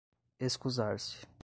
escusar-se